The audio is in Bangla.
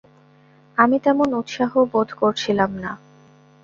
আমি তেমন উৎসাহও বোধ করছিলাম না।